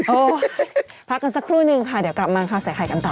พักกันสักครู่นึงค่ะเดี๋ยวกลับมาข่าวใส่ไข่กันต่อ